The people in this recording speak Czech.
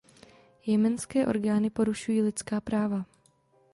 Jemenské orgány porušují lidská právy.